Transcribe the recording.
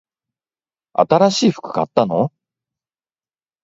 新しい服を買ったの？